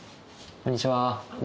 こんにちは。